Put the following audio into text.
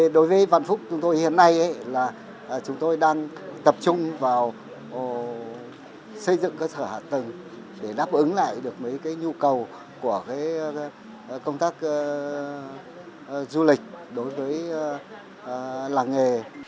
đối với vạn phúc chúng tôi hiện nay là chúng tôi đang tập trung vào xây dựng cơ sở hạ tầng để đáp ứng lại được mấy cái nhu cầu của công tác du lịch đối với làng nghề